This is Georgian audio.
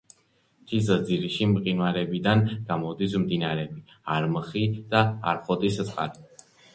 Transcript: მთის ძირში მყინვარებიდან გამოდის მდინარეები არმხი და არხოტისწყალი.